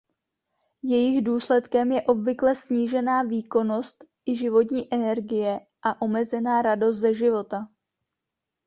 Jejich důsledkem je obvykle snížená výkonnost i životní energie a omezená radost ze života.